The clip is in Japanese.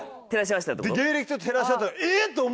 芸歴と照らし合わせたら。